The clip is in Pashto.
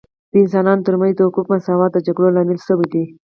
د انسانانو ترمنځ د حقوقو مساوات د جګړو لامل سوی دی